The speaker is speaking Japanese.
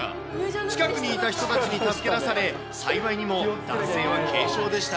近くにいた人たちに助け出され、幸いにも男性は軽傷でした。